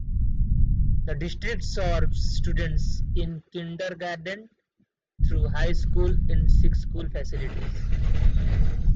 The district serves students in kindergarten through high school in six school facilities.